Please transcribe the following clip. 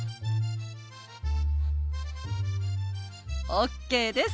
ＯＫです！